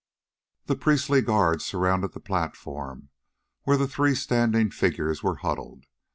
The priestly guard surrounded the platform where the three standing figures were huddled.